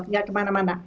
tidak ke mana mana